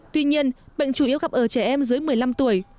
tuy nhiên bệnh chủ yếu gặp ở trẻ em dưới một mươi năm tuổi